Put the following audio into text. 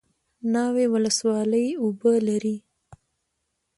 ناوې ولسوالۍ اوبه لري؟